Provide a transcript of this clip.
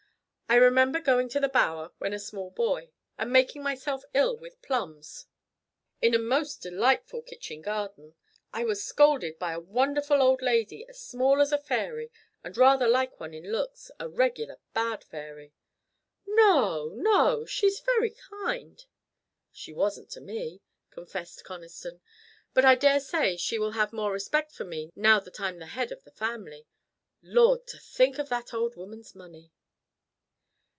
I remember going to "The Bower" when a small boy, and making myself ill with plums in a most delightful kitchen garden. I was scolded by a wonderful old lady as small as a fairy and rather like one in looks a regular bad fairy." "No! no. She is very kind." "She wasn't to me," confessed Conniston; "but I daresay she will have more respect for me now that I'm the head of the family. Lord! to think of that old woman's money."